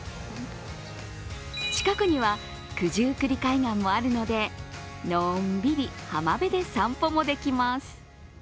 近くには九十九里海岸もあるのでのんびり浜辺で散歩もできます。